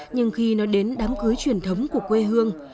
nhưng khi nói đến đám cưới truyền thống của quê hương